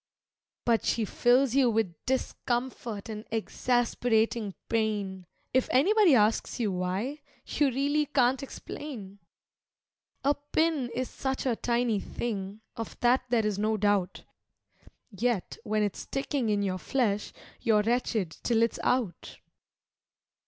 But she fills you with discomfort and exasperating pain. If anybody asks you why, you really can't explain! A pin is such a tiny thing, of that there is no doubt, Yet when it's sticking in your flesh you're wretched till it's out.